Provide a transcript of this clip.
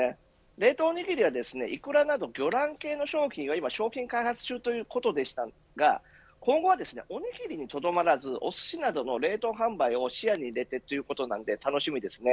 冷凍おにぎりはイクラなど魚卵系の商品は商品開発中ということでしたが今後は、おにぎりにとどまらずおすしなどの冷凍販売を視野に入れてということなので、楽しみです。